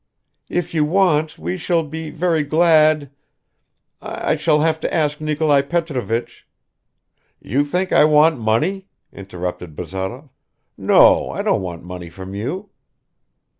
"If you want, we shall be very glad ... I shall have to ask Nikolai Petrovich ..." "You think I want money?" interrupted Bazarov. "No, I don't want money from you."